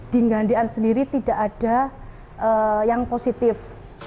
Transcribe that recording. di gandean sendiri tidak ada yang positif